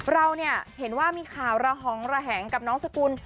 เราเนี่ยเห็นว่ามีข่าวระหองระแหงกับน้องสกุล